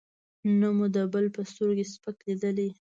نه مو د بل په سترګو سپک لېدلی.